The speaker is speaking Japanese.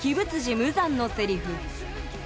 無惨のセリフ